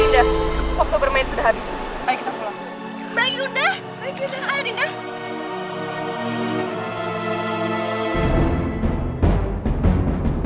dia harus menjadi milikku